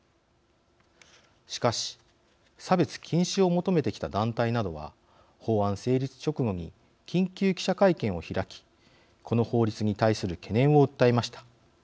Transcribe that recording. しかし、差別禁止を求めてきた団体などは法案成立直後に緊急記者会見を開きこの法律に対する懸念を訴えました。